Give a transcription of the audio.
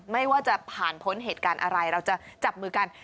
ไม่ว่าจะผ่านพ้นเหตุการณ์อะไรเราจะจับมือกัน